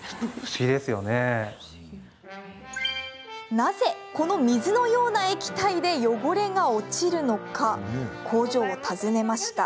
なぜ、この水のような液体で汚れが落ちるのか工場を訪ねました。